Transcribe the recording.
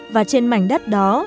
và trên mảnh đất đó